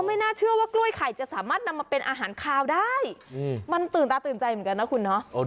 มันตื่นตาตื่นใจเหมือนกันน่ะคุณนะ